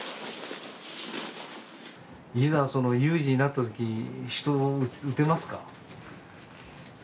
いざ有事になったときに人を撃てますか？